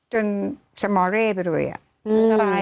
จนสมอเร่ไปด้วยอ่ะ